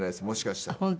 もしかしたら。